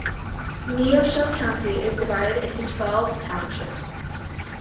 Neosho County is divided into twelve townships.